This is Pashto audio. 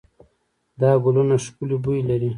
دا ګلونه ښکلې بوی لري.